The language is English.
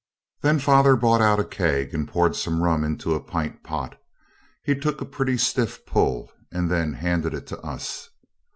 Then father brought out a keg and poured some rum into a pint pot. He took a pretty stiff pull, and then handed it to us.